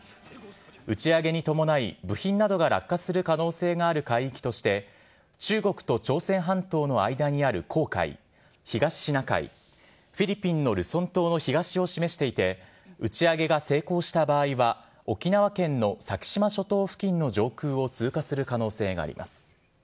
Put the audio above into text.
打ち上げに伴い、部品などが落下する可能性がある海域として、中国と朝鮮半島の間にある黄海、東シナ海、フィリピンのルソン島の東を示していて、打ち上げが成功した場合は、沖縄県の先島諸島付近の上空を通過する可能性があります。